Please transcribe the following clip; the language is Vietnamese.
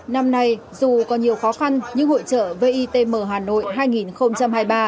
năm nay dù có nhiều khó khăn nhưng hội trợ vitm hà nội hai nghìn hai mươi ba